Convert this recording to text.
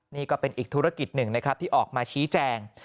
นี่ก็เป็นอีกธุรกิจหนึ่งนะครับที่ออกมาชี้แจง